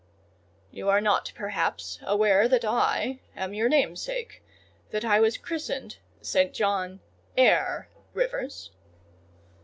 "You are not, perhaps, aware that I am your namesake?—that I was christened St. John Eyre Rivers?"